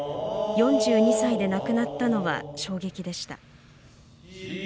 ４２歳で亡くなったのは衝撃でした。